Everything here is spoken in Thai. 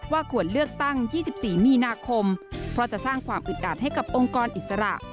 ควรเลือกตั้ง๒๔มีนาคมเพราะจะสร้างความอึดอัดให้กับองค์กรอิสระ